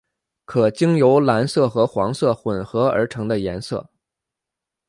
可经由蓝色和黄色混和而成的颜色。